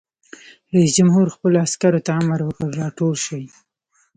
رئیس جمهور خپلو عسکرو ته امر وکړ؛ راټول شئ!